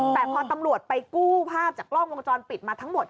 แต่พอตำรวจไปกู้ภาพจากกล้องวงจรปิดมาทั้งหมด